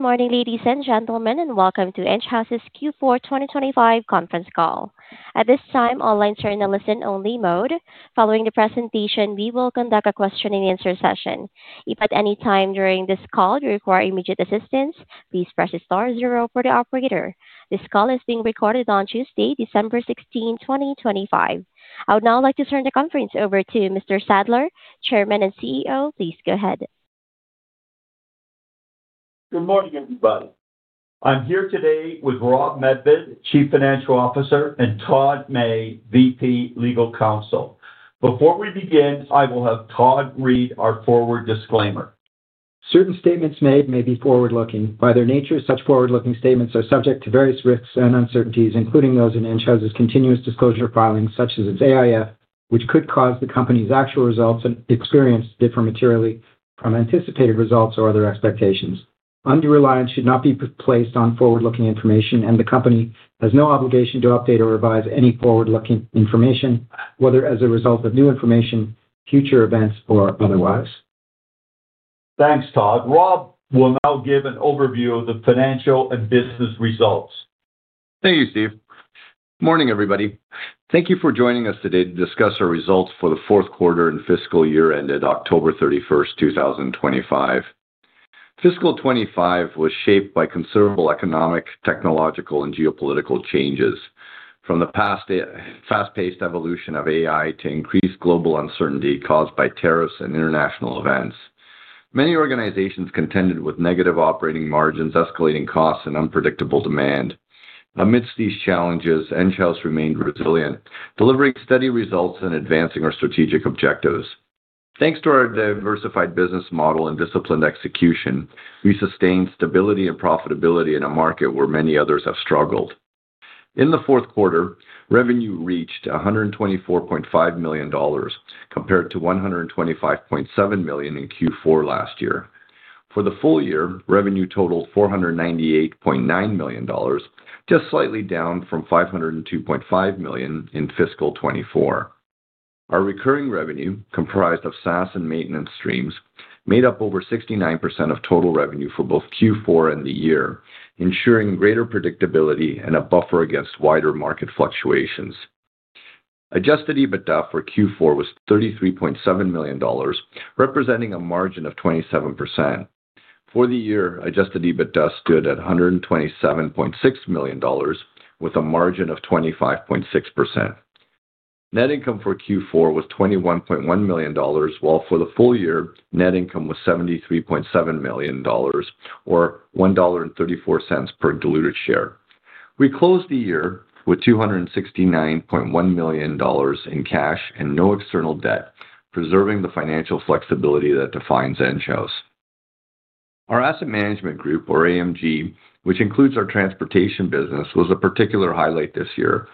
Good morning, ladies and gentlemen, and welcome to Enghouse's Q4 2025 conference call. At this time, all lines are in a listen-only mode. Following the presentation, we will conduct a question-and-answer session. If at any time during this call you require immediate assistance, please press the star zero for the operator. This call is being recorded on Tuesday, December 16, 2025. I would now like to turn the conference over to Mr. Sadler, Chairman and CEO. Please go ahead. Good morning, everybody. I'm here today with Rob Medved, Chief Financial Officer, and Todd May, VP Legal Counsel. Before we begin, I will have Todd read our forward disclaimer. Certain statements made may be forward-looking. By their nature, such forward-looking statements are subject to various risks and uncertainties, including those in Enghouse's continuous disclosure filings, such as its AIF, which could cause the company's actual results and experience to differ materially from anticipated results or other expectations. Undue reliance should not be placed on forward-looking information, and the company has no obligation to update or revise any forward-looking information, whether as a result of new information, future events, or otherwise. Thanks, Todd. Rob will now give an overview of the financial and business results. Thank you, Steve. Morning, everybody. Thank you for joining us today to discuss our results for the fourth quarter and fiscal year ended October 31, 2025. Fiscal 25 was shaped by considerable economic, technological, and geopolitical changes. From the fast-paced evolution of AI to increased global uncertainty caused by tariffs and international events, many organizations contended with negative operating margins, escalating costs, and unpredictable demand. Amidst these challenges, Enghouse remained resilient, delivering steady results and advancing our strategic objectives. Thanks to our diversified business model and disciplined execution, we sustained stability and profitability in a market where many others have struggled. In the fourth quarter, revenue reached 124.5 million dollars compared to 125.7 million in Q4 last year. For the full year, revenue totaled 498.9 million dollars, just slightly down from 502.5 million in fiscal 24. Our recurring revenue, comprised of SaaS and maintenance streams, made up over 69% of total revenue for both Q4 and the year, ensuring greater predictability and a buffer against wider market fluctuations. Adjusted EBITDA for Q4 was 33.7 million dollars, representing a margin of 27%. For the year, adjusted EBITDA stood at 127.6 million dollars, with a margin of 25.6%. Net income for Q4 was 21.1 million dollars, while for the full year, net income was 73.7 million dollars, or 1.34 dollar per diluted share. We closed the year with 269.1 million dollars in cash and no external debt, preserving the financial flexibility that defines Enghouse. Our Asset Management Group, or AMG, which includes our transportation business, was a particular highlight this year.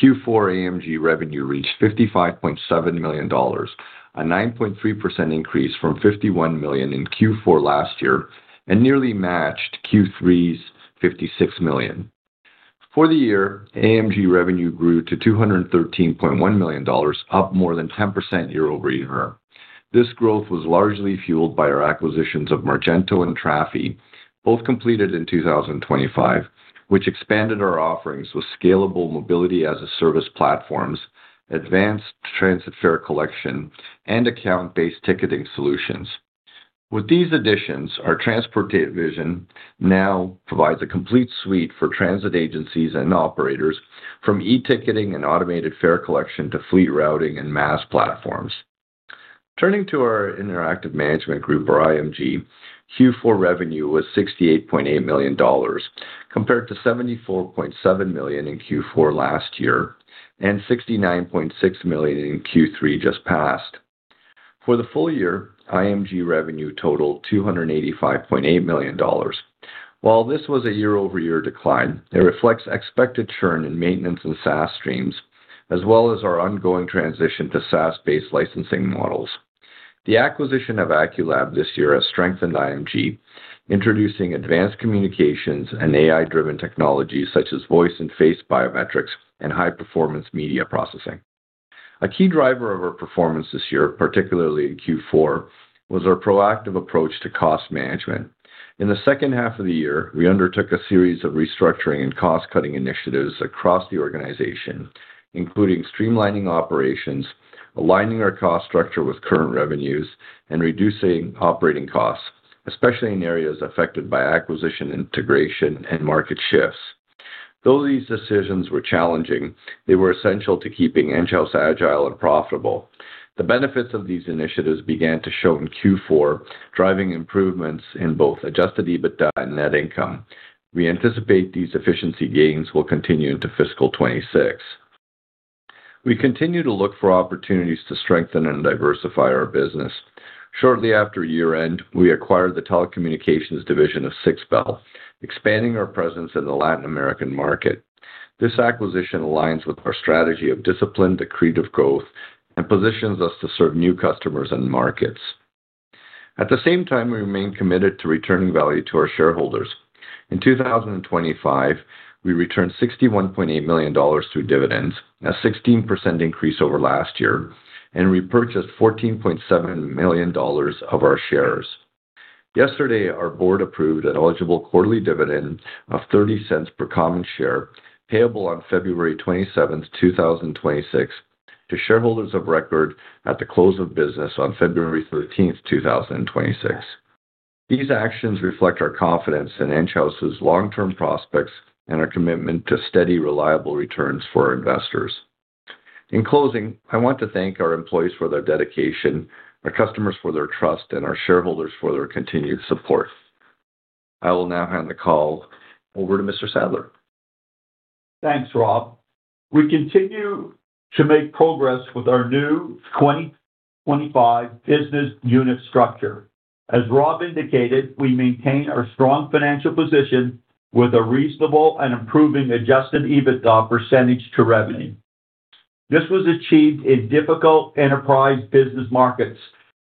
Q4 AMG revenue reached 55.7 million dollars, a 9.3% increase from 51 million in Q4 last year, and nearly matched Q3's 56 million. For the year, AMG revenue grew to 213.1 million dollars, up more than 10% year over year. This growth was largely fueled by our acquisitions of Margento and Trafi, both completed in 2025, which expanded our offerings with scalable mobility-as-a-service platforms, advanced transit fare collection, and account-based ticketing solutions. With these additions, our transportation vision now provides a complete suite for transit agencies and operators, from e-ticketing and automated fare collection to fleet routing and MaaS platforms. Turning to our Interactive Management Group, or IMG, Q4 revenue was 68.8 million dollars, compared to 74.7 million in Q4 last year and 69.6 million in Q3 just past. For the full year, IMG revenue totaled 285.8 million dollars. While this was a year-over-year decline, it reflects expected churn in maintenance and SaaS streams, as well as our ongoing transition to SaaS-based licensing models. The acquisition of Aculab this year has strengthened IMG, introducing advanced communications and AI-driven technologies such as voice and face biometrics and high-performance media processing. A key driver of our performance this year, particularly in Q4, was our proactive approach to cost management. In the second half of the year, we undertook a series of restructuring and cost-cutting initiatives across the organization, including streamlining operations, aligning our cost structure with current revenues, and reducing operating costs, especially in areas affected by acquisition integration and market shifts. Though these decisions were challenging, they were essential to keeping Enghouse agile and profitable. The benefits of these initiatives began to show in Q4, driving improvements in both Adjusted EBITDA and net income. We anticipate these efficiency gains will continue into fiscal 2026. We continue to look for opportunities to strengthen and diversify our business. Shortly after year-end, we acquired the telecommunications division of Sixbell, expanding our presence in the Latin American market. This acquisition aligns with our strategy of disciplined accretive growth and positions us to serve new customers and markets. At the same time, we remain committed to returning value to our shareholders. In 2025, we returned 61.8 million dollars through dividends, a 16% increase over last year, and repurchased 14.7 million dollars of our shares. Yesterday, our board approved an eligible quarterly dividend of 0.30 per common share, payable on February 27, 2026, to shareholders of record at the close of business on February 13, 2026. These actions reflect our confidence in Enghouse's long-term prospects and our commitment to steady, reliable returns for our investors. In closing, I want to thank our employees for their dedication, our customers for their trust, and our shareholders for their continued support. I will now hand the call over to Mr. Sadler. Thanks, Rob. We continue to make progress with our new 2025 business unit structure. As Rob indicated, we maintain our strong financial position with a reasonable and improving Adjusted EBITDA percentage to revenue. This was achieved in difficult enterprise business markets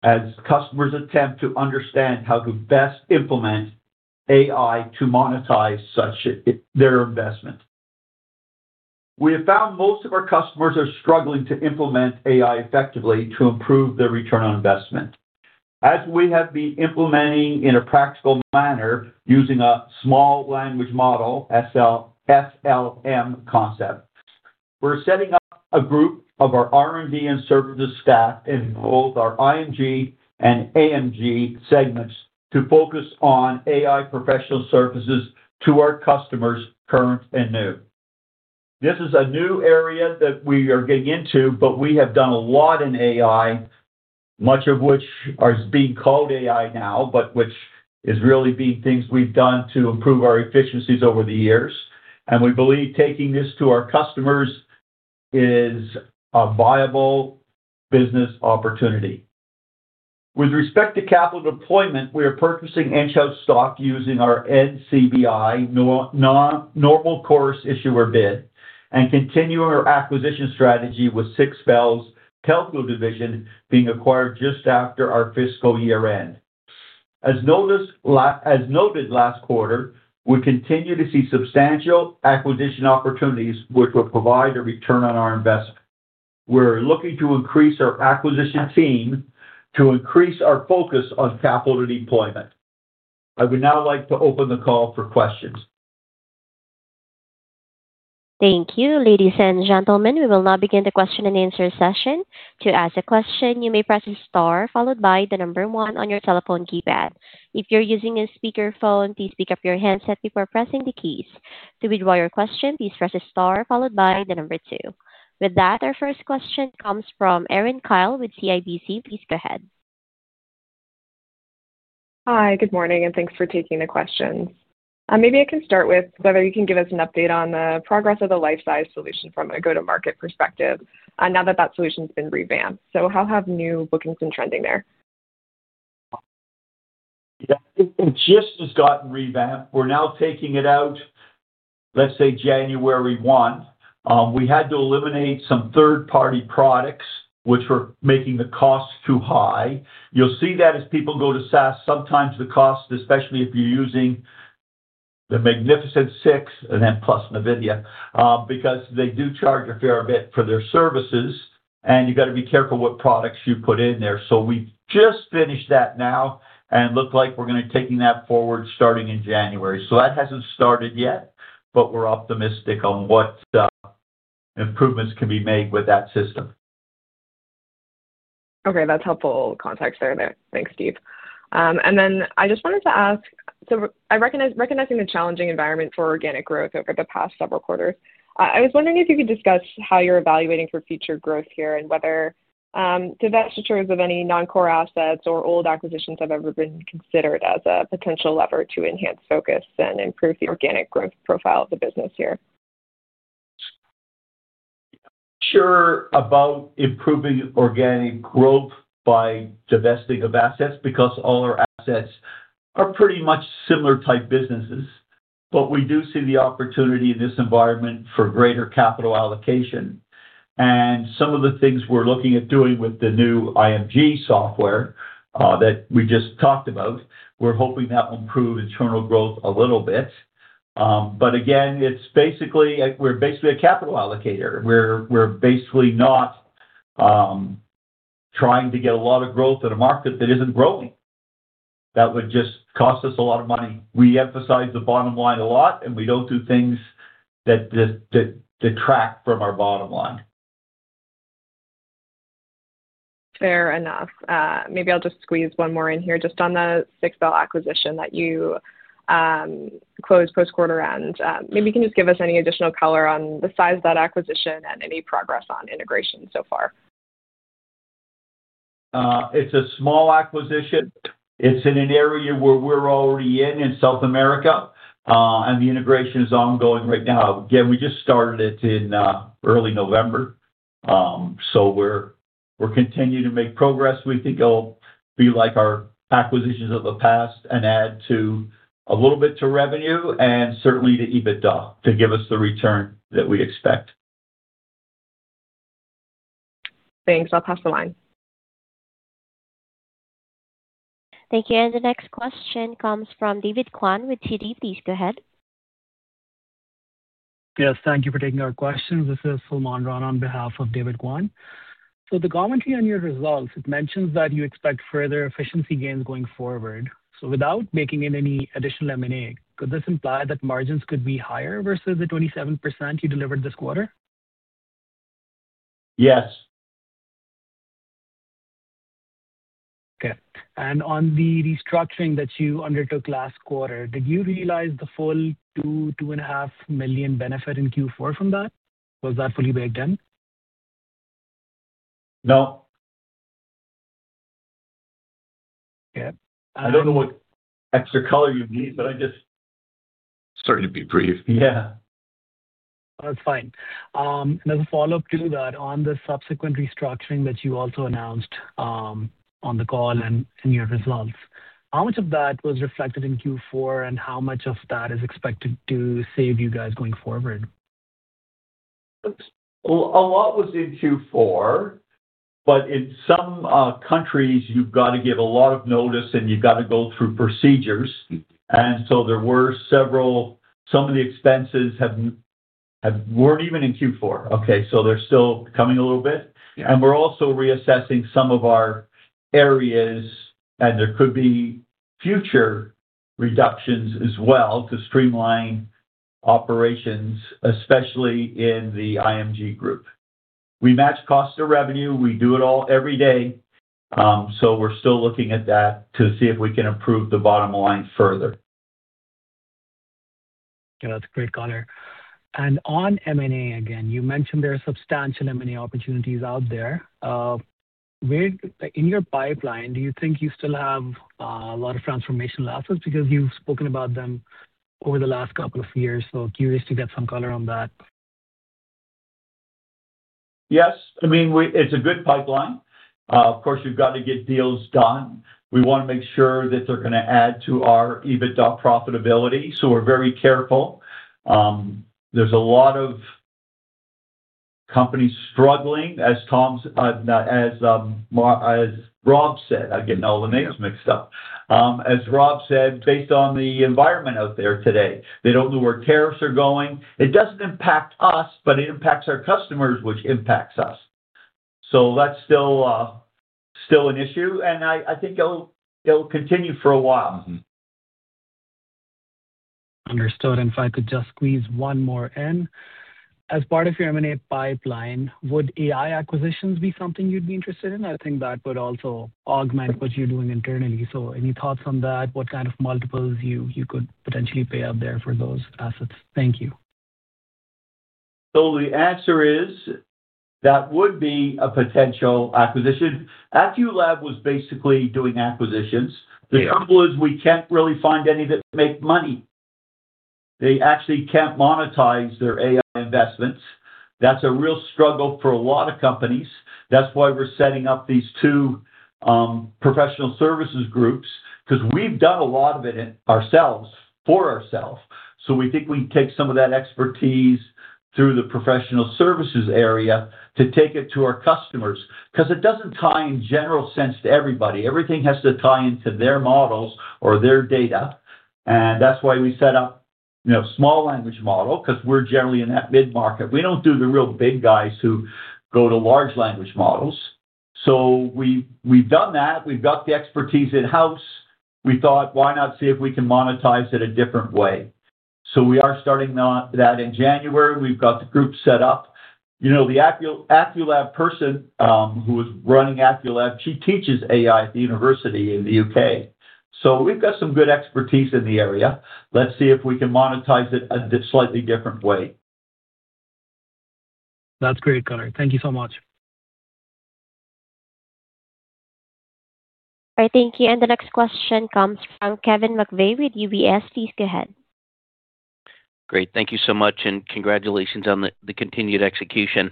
as customers attempt to understand how to best implement AI to monetize their investment. We have found most of our customers are struggling to implement AI effectively to improve their return on investment. As we have been implementing in a practical manner using a small language model SLM concept, we're setting up a group of our R&D and services staff in both our IMG and AMG segments to focus on AI professional services to our customers, current and new. This is a new area that we are getting into, but we have done a lot in AI, much of which is being called AI now, but which is really being things we've done to improve our efficiencies over the years, and we believe taking this to our customers is a viable business opportunity. With respect to capital deployment, we are purchasing Enghouse stock using our NCBI normal course issuer bid and continuing our acquisition strategy with Sixbell's Telco division being acquired just after our fiscal year end. As noted last quarter, we continue to see substantial acquisition opportunities, which will provide a return on our investment. We're looking to increase our acquisition team to increase our focus on capital deployment. I would now like to open the call for questions. Thank you. Ladies and gentlemen, we will now begin the question and answer session. To ask a question, you may press the star followed by the number one on your telephone keypad. If you're using a speakerphone, please pick up your handset before pressing the keys. To withdraw your question, please press the star followed by the number two. With that, our first question comes from Erin Kyle with CIBC. Please go ahead. Hi, good morning, and thanks for taking the questions. Maybe I can start with whether you can give us an update on the progress of the Lifesize solution from a go-to-market perspective now that that solution's been revamped. So how have new bookings been trending there? It just has gotten revamped. We're now taking it out, let's say, January 1. We had to eliminate some third-party products, which were making the cost too high. You'll see that as people go to SaaS. Sometimes the cost, especially if you're using the Magnificent Six and then plus Nvidia, because they do charge a fair bit for their services, and you've got to be careful what products you put in there. So we just finished that now and look like we're going to be taking that forward starting in January. So that hasn't started yet, but we're optimistic on what improvements can be made with that system. Okay, that's helpful context there. Thanks, Steve. And then I just wanted to ask, so I recognize the challenging environment for organic growth over the past several quarters. I was wondering if you could discuss how you're evaluating for future growth here and whether divestitures of any non-core assets or old acquisitions have ever been considered as a potential lever to enhance focus and improve the organic growth profile of the business here? sure about improving organic growth by divesting of assets because all our assets are pretty much similar type businesses. But we do see the opportunity in this environment for greater capital allocation. And some of the things we're looking at doing with the new IMG software that we just talked about, we're hoping that will improve internal growth a little bit. But again, we're basically a capital allocator. We're basically not trying to get a lot of growth in a market that isn't growing. That would just cost us a lot of money. We emphasize the bottom line a lot, and we don't do things that detract from our bottom line. Fair enough. Maybe I'll just squeeze one more in here just on the Sixbell acquisition that you closed post-quarter end. Maybe you can just give us any additional color on the size of that acquisition and any progress on integration so far? It's a small acquisition. It's in an area where we're already in South America, and the integration is ongoing right now. Again, we just started it in early November. So we're continuing to make progress. We think it'll be like our acquisitions of the past and add a little bit to revenue and certainly to EBITDA to give us the return that we expect. Thanks. I'll pass the line. Thank you. The next question comes from David Kwan with TD. Please go ahead. Yes, thank you for taking our questions. This is Suleiman Ran on behalf of David Kwan. So the commentary on your results, it mentions that you expect further efficiency gains going forward. So without making any additional M&A, could this imply that margins could be higher versus the 27% you delivered this quarter? Yes. Okay. And on the restructuring that you undertook last quarter, did you realize the full 2-2.5 million benefit in Q4 from that? Was that fully baked in? No. Okay. I don't know what extra color you need, but I just. Sorry to be brief. Yeah. That's fine. And as a follow-up to that, on the subsequent restructuring that you also announced on the call and your results, how much of that was reflected in Q4, and how much of that is expected to save you guys going forward? A lot was in Q4, but in some countries, you've got to give a lot of notice, and you've got to go through procedures, so there were several. Some of the expenses weren't even in Q4. Okay, so they're still coming a little bit, and we're also reassessing some of our areas, and there could be future reductions as well to streamline operations, especially in the IMG group. We match cost to revenue. We do it all every day, so we're still looking at that to see if we can improve the bottom line further. Okay, that's great color and on M&A again, you mentioned there are substantial M&A opportunities out there. In your pipeline, do you think you still have a lot of transformation losses because you've spoken about them over the last couple of years, so curious to get some color on that. Yes. I mean, it's a good pipeline. Of course, you've got to get deals done. We want to make sure that they're going to add to our EBITDA profitability. So we're very careful. There's a lot of companies struggling, as Rob said. I'm getting all the names mixed up. As Rob said, based on the environment out there today, they don't know where tariffs are going. It doesn't impact us, but it impacts our customers, which impacts us. So that's still an issue. And I think it'll continue for a while. Understood. And if I could just squeeze one more in. As part of your M&A pipeline, would AI acquisitions be something you'd be interested in? I think that would also augment what you're doing internally. So any thoughts on that? What kind of multiples you could potentially pay out there for those assets? Thank you. So the answer is that would be a potential acquisition. Aculab was basically doing acquisitions. The trouble is we can't really find any that make money. They actually can't monetize their AI investments. That's a real struggle for a lot of companies. That's why we're setting up these two professional services groups because we've done a lot of it ourselves for ourselves. So we think we can take some of that expertise through the professional services area to take it to our customers because it doesn't tie in general sense to everybody. Everything has to tie into their models or their data. And that's why we set up a small language model because we're generally in that mid-market. We don't do the real big guys who go to large language models. So we've done that. We've got the expertise in-house. We thought, why not see if we can monetize it a different way? So we are starting that in January. We've got the group set up. The Aculab person who is running Aculab, she teaches AI at the university in the U.K. So we've got some good expertise in the area. Let's see if we can monetize it a slightly different way. That's great, Carter. Thank you so much. All right, thank you. And the next question comes from Kevin McVeigh with UBS. Please go ahead. Great. Thank you so much, and congratulations on the continued execution.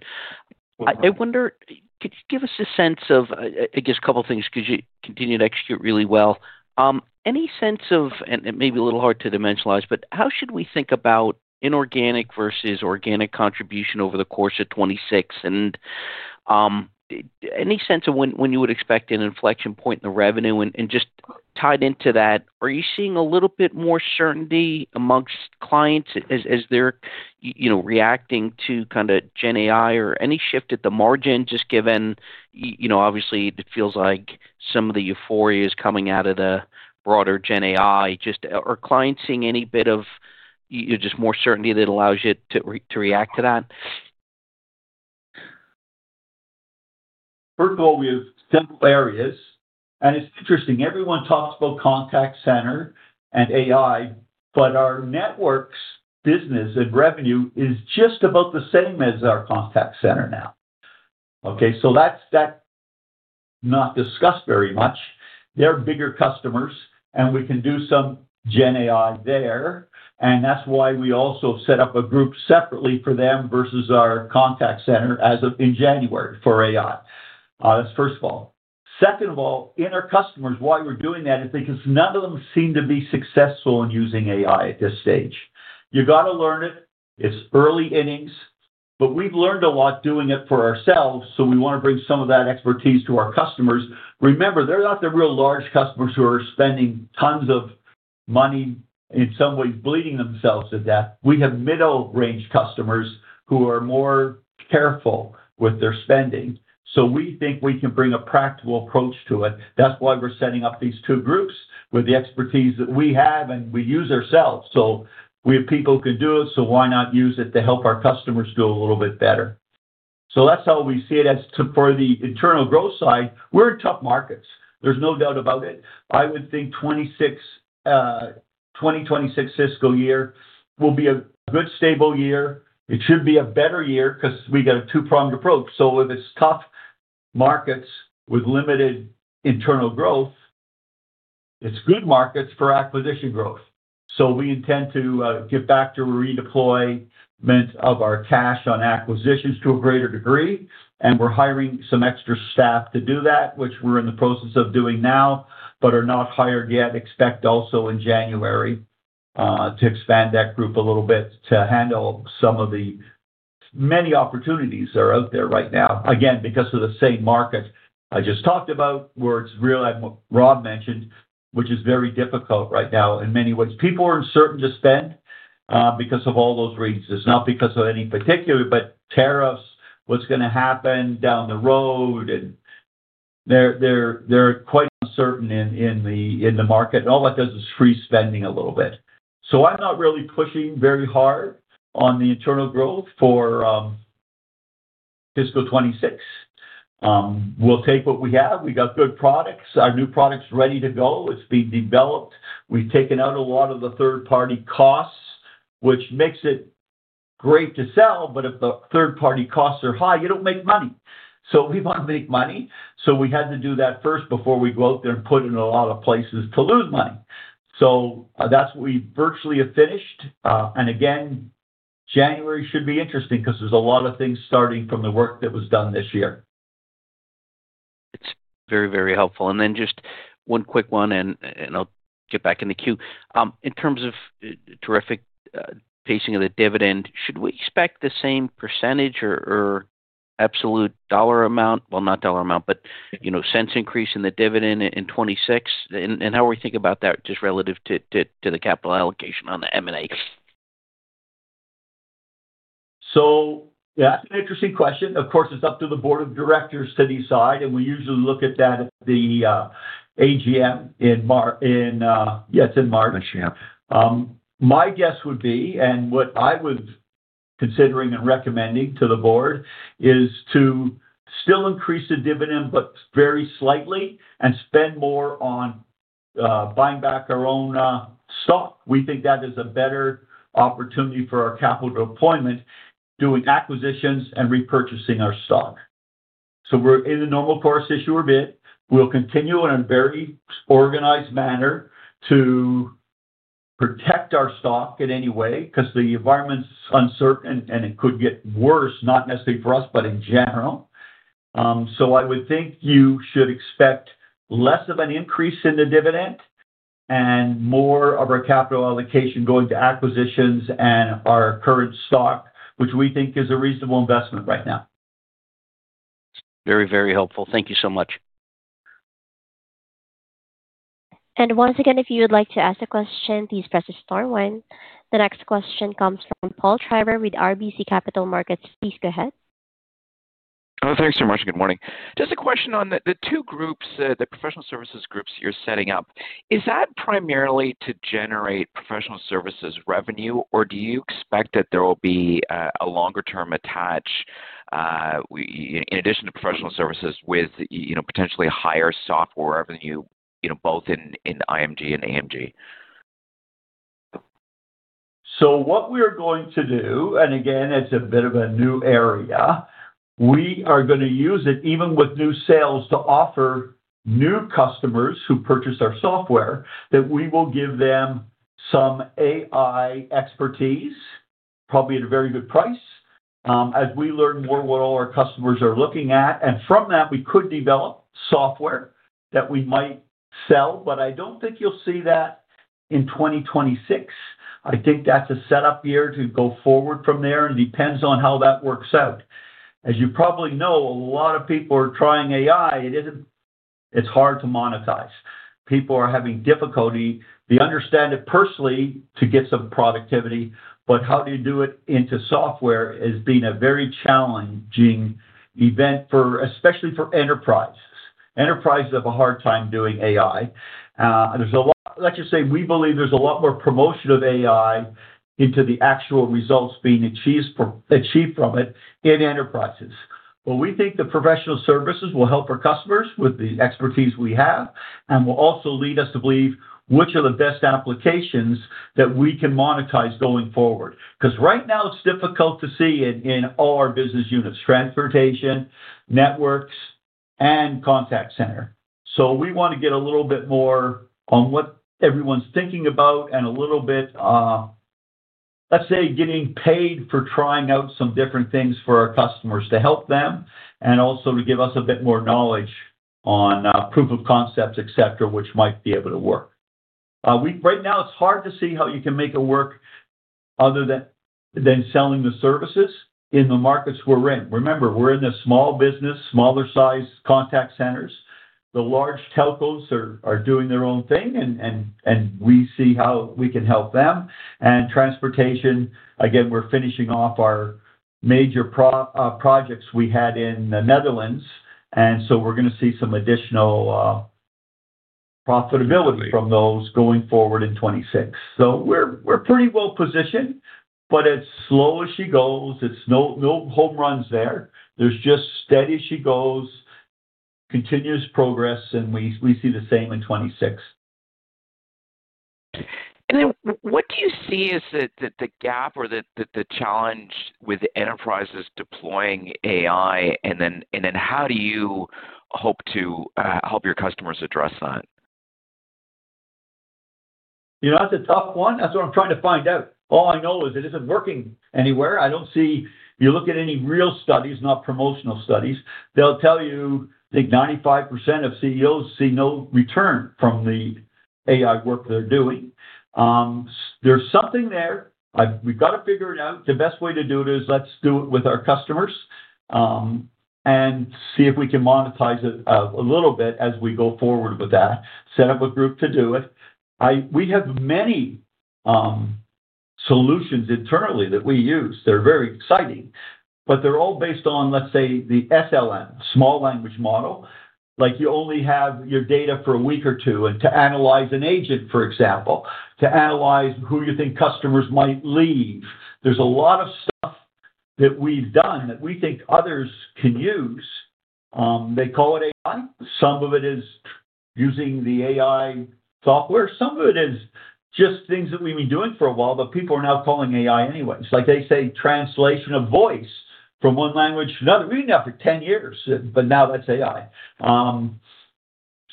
I wonder, could you give us a sense of, I guess, a couple of things because you continue to execute really well. Any sense of, and it may be a little hard to dimensionalize, but how should we think about inorganic versus organic contribution over the course of 2026? And any sense of when you would expect an inflection point in the revenue? And just tied into that, are you seeing a little bit more certainty amongst clients as they're reacting to kind of GenAI or any shift at the margin just given, obviously, it feels like some of the euphoria is coming out of the broader GenAI? Are clients seeing any bit of just more certainty that allows you to react to that? First of all, we have several areas, and it's interesting. Everyone talks about contact center and AI, but our networks business and revenue is just about the same as our contact center now. Okay, so that's not discussed very much. They're bigger customers, and we can do some GenAI there, and that's why we also set up a group separately for them versus our contact center in January for AI. That's first of all. Second of all, our customers, why we're doing that is because none of them seem to be successful in using AI at this stage. You got to learn it. It's early innings, but we've learned a lot doing it for ourselves, so we want to bring some of that expertise to our customers. Remember, they're not the real large customers who are spending tons of money in some ways bleeding themselves at that. We have middle-range customers who are more careful with their spending. So we think we can bring a practical approach to it. That's why we're setting up these two groups with the expertise that we have and we use ourselves. So we have people who can do it. So why not use it to help our customers do a little bit better? So that's how we see it. As for the internal growth side, we're in tough markets. There's no doubt about it. I would think 2026 fiscal year will be a good stable year. It should be a better year because we got a two-pronged approach. So if it's tough markets with limited internal growth, it's good markets for acquisition growth. So we intend to get back to redeployment of our cash on acquisitions to a greater degree. And we're hiring some extra staff to do that, which we're in the process of doing now, but are not hired yet. Expect also in January to expand that group a little bit to handle some of the many opportunities that are out there right now. Again, because of the same markets I just talked about, where it's real, as Rob mentioned, which is very difficult right now in many ways. People are uncertain to spend because of all those reasons. It's not because of any particular, but tariffs, what's going to happen down the road. And they're quite uncertain in the market. All that does is freeze spending a little bit. So I'm not really pushing very hard on the internal growth for fiscal 2026. We'll take what we have. We got good products. Our new product's ready to go. It's being developed. We've taken out a lot of the third-party costs, which makes it great to sell, but if the third-party costs are high, you don't make money. So we want to make money. So we had to do that first before we go out there and put it in a lot of places to lose money. So that's what we virtually have finished. And again, January should be interesting because there's a lot of things starting from the work that was done this year. It's very, very helpful, and then just one quick one, and I'll get back in the queue. In terms of terrific pacing of the dividend, should we expect the same percentage or absolute dollar amount, well, not dollar amount, but cents increase in the dividend in 2026, and how we think about that just relative to the capital allocation on the M&A? So that's an interesting question. Of course, it's up to the board of directors to decide. And we usually look at that at the AGM in March. Yeah, it's in March. My guess would be, and what I was considering and recommending to the board is to still increase the dividend, but very slightly, and spend more on buying back our own stock. We think that is a better opportunity for our capital deployment doing acquisitions and repurchasing our stock. So we're in the normal course issuer bid. We'll continue in a very organized manner to protect our stock in any way because the environment's uncertain, and it could get worse, not necessarily for us, but in general. So I would think you should expect less of an increase in the dividend and more of our capital allocation going to acquisitions and our current stock, which we think is a reasonable investment right now. Very, very helpful. Thank you so much. Once again, if you would like to ask a question, please press the star one. The next question comes from Paul Treiber with RBC Capital Markets. Please go ahead. Hello. Thanks so much. Good morning. Just a question on the two groups, the professional services groups you're setting up. Is that primarily to generate professional services revenue, or do you expect that there will be a longer-term attach in addition to professional services with potentially higher software revenue, both in IMG and AMG? So what we are going to do, and again, it's a bit of a new area. We are going to use it even with new sales to offer new customers who purchase our software that we will give them some AI expertise, probably at a very good price, as we learn more what all our customers are looking at. And from that, we could develop software that we might sell, but I don't think you'll see that in 2026. I think that's a setup year to go forward from there, and it depends on how that works out. As you probably know, a lot of people are trying AI. It's hard to monetize. People are having difficulty. They understand it personally to get some productivity, but how do you do it into software has been a very challenging event, especially for enterprises. Enterprises have a hard time doing AI. Let's just say we believe there's a lot more promotion of AI into the actual results being achieved from it in enterprises. But we think the professional services will help our customers with the expertise we have, and will also lead us to believe which are the best applications that we can monetize going forward. Because right now, it's difficult to see in all our business units, transportation, networks, and contact center. So we want to get a little bit more on what everyone's thinking about and a little bit, let's say, getting paid for trying out some different things for our customers to help them and also to give us a bit more knowledge on proof of concept, etc., which might be able to work. Right now, it's hard to see how you can make it work other than selling the services in the markets we're in. Remember, we're in the small business, smaller-sized contact centers. The large telcos are doing their own thing, and we see how we can help them, and transportation, again, we're finishing off our major projects we had in the Netherlands, and so we're going to see some additional profitability from those going forward in 2026, so we're pretty well positioned, but it's slow as she goes. It's no home runs there. There's just steady she goes, continuous progress, and we see the same in 2026. And then what do you see as the gap or the challenge with enterprises deploying AI, and then how do you hope to help your customers address that? That's a tough one. That's what I'm trying to find out. All I know is it isn't working anywhere. I don't see you look at any real studies, not promotional studies. They'll tell you I think 95% of CEOs see no return from the AI work they're doing. There's something there. We've got to figure it out. The best way to do it is let's do it with our customers and see if we can monetize it a little bit as we go forward with that, set up a group to do it. We have many solutions internally that we use. They're very exciting, but they're all based on, let's say, the SLM, small language model. You only have your data for a week or two and to analyze an agent, for example, to analyze who you think customers might leave. There's a lot of stuff that we've done that we think others can use. They call it AI. Some of it is using the AI software. Some of it is just things that we've been doing for a while, but people are now calling AI anyway. It's like they say translation of voice from one language to another. We didn't have it for 10 years, but now that's AI.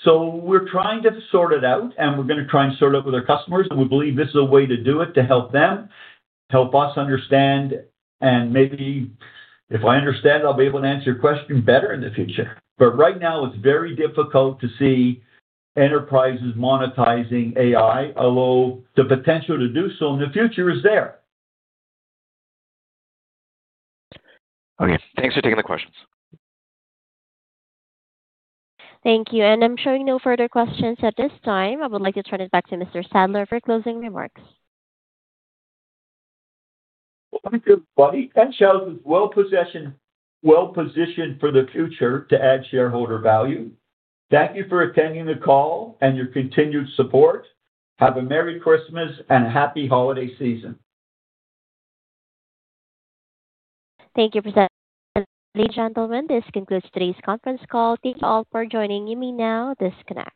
So we're trying to sort it out, and we're going to try and sort it out with our customers. And we believe this is a way to do it to help them, help us understand, and maybe if I understand, I'll be able to answer your question better in the future. But right now, it's very difficult to see enterprises monetizing AI, although the potential to do so in the future is there. Okay. Thanks for taking the questions. Thank you, and I'm showing no further questions at this time. I would like to turn it back to Mr. Sadler for closing remarks. Thank you, Buddy. Thanks, Shaori. It's well-positioned for the future to add shareholder value. Thank you for attending the call and your continued support. Have a Merry Christmas and a happy holiday season. Thank you for attending, gentlemen. This concludes today's conference call. Thank you all for joining me now. This con.